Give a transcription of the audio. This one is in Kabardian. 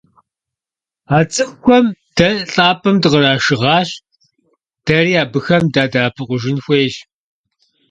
А цӀыхухэм дэ лӀапӀэм дыкърашыгъащ, дэри абыхэм дадэӀэпыкъужын хуейщ.